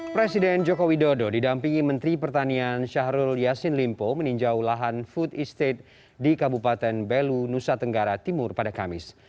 presiden joko widodo didampingi menteri pertanian syahrul yassin limpo meninjau lahan food estate di kabupaten belu nusa tenggara timur pada kamis